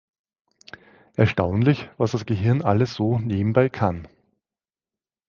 Erstaunlich, was das Gehirn alles so nebenbei kann.